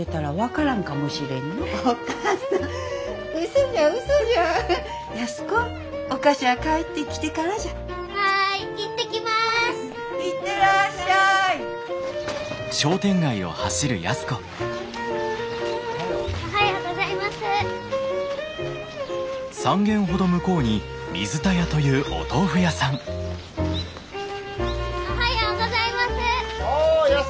おはようございます。